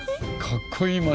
かっこいい町。